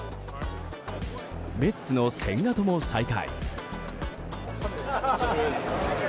メッツの千賀とも再会。